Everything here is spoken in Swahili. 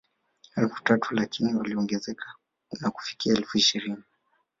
Elfu tatu lakini walioongezeka na kufikia elfu ishirini